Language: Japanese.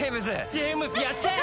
ジェームズやっちゃえ！